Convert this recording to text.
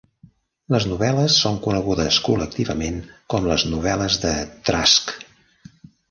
Les novel·les són conegudes col·lectivament com les novel·les de Trask.